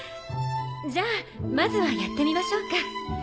じゃあまずはやってみましょうか。